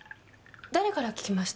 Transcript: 誰から聞きました？